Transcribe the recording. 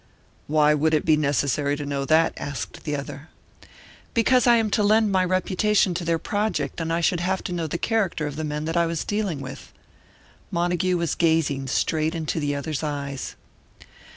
"Why would it be necessary to know that?" asked the other. "Because I am to lend my reputation to their project, and I should have to know the character of the men that I was dealing with." Montague was gazing straight into the other's eyes.